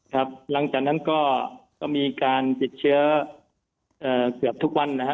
หลังจากนั้นก็มีการติดเชื้อเกือบทุกวันนะครับ